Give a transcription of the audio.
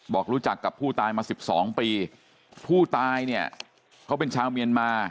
บอกรู้จักกับผู้ตายมาสิบสองปีผู้ตายเนี่ยเขาเป็นชาวเมียนมา